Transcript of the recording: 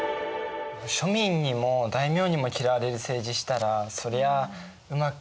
庶民にも大名にも嫌われる政治したらそりゃあうまくいかないよね。